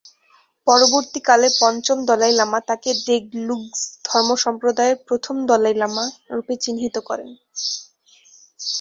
পরবর্তীকালে পঞ্চম দলাই লামা তাকে দ্গে-লুগ্স ধর্মসম্প্রদায়ের প্রথম দলাই লামা রূপে চিহ্নিত করেন।